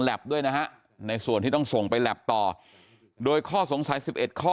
ด้วยนะฮะในส่วนที่ต้องส่งไปแล็บต่อโดยข้อสงสัย๑๑ข้อ